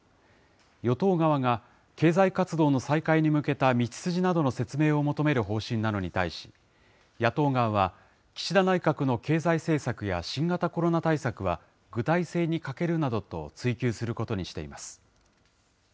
与党側が、経済活動の再開に向けた道筋などの説明を求める方針などに対し、野党側は、岸田内閣の経済政策や新型コロナ対策は具体性に欠けるなどと追及することにしています。